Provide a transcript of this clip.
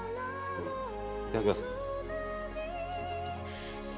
いただきます。